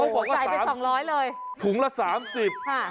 เขาบอกว่าหนาถุงทุกน่ะ